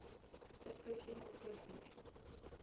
Especie muy frecuente.